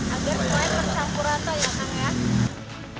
agar mulai tercampur rata yang hangat